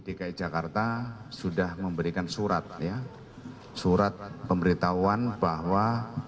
dki jakarta sudah memberikan surat pemberitahuan bahwa